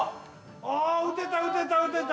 ◆あ、撃てた撃てた撃てた！